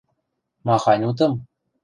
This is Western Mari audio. – Махань утым?